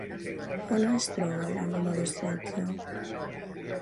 On es troba la número setze?